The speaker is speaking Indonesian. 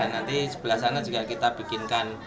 nanti sebelah sana juga kita bikinkan